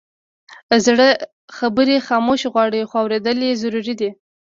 زړه خبرې خاموشي غواړي، خو اورېدل یې ضروري دي.